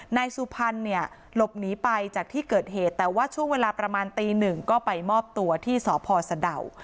นายสุพรรณเนี่ยหลบหนีไปจากที่เกิดเหตุแต่ว่าช่วงเวลาประมาณตีหนึ่งก็ไปมอบตัวที่สพสะดาว